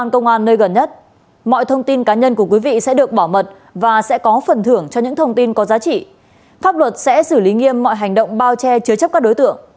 cảm ơn quý vị đã theo dõi